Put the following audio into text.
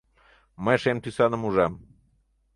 Мый шем тӱсаным ужам.